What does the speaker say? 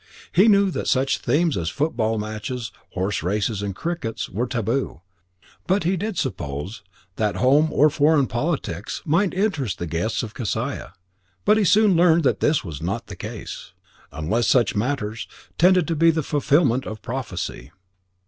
He knew that such themes as football matches, horse races, and cricket were taboo, but he did suppose that home or foreign politics might interest the guests of Kesiah. But he soon learned that this was not the case, unless such matters tended to the fulfilment of prophecy.